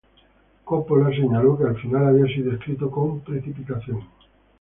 Coppola señaló que el final había sido escrito con precipitación.